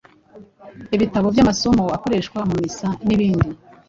Ibitabo by’amasomo akoreshwa mu misa, n’ibindi.